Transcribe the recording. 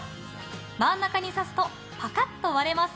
真ん中に刺すとパカッと割れます。